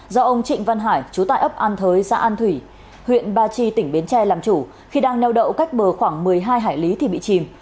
do ông trịnh văn hải chú tại ấp an thới xã an thủy huyện ba chi tỉnh bến tre làm chủ khi đang neo đậu cách bờ khoảng một mươi hai hải lý thì bị chìm